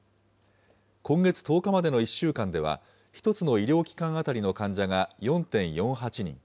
今月１０日までの１週間では、１つの医療機関当たりの患者が、４．４８人。